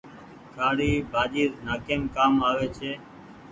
ٿآڙي ڀآڃي نآڪيم ڪآم آوي ڇي۔